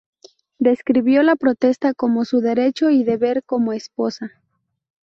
Describió la protesta como su "derecho y deber" como esposa.